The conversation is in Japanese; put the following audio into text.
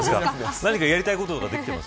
何かやりたいこととかできてます。